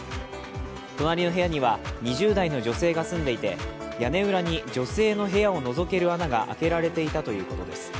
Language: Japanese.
隣の部屋には、２０代の女性が住んでいて、屋根裏に女性の部屋をのぞける穴が開けられていたということです。